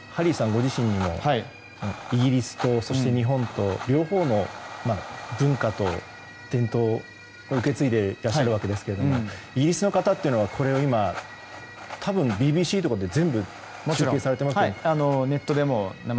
ご自身もイギリスと日本と両方の文化と伝統を受け継いでいらっしゃるわけですがイギリスの方というのはこれを今多分、ＢＢＣとかで全部中継されているんですよね。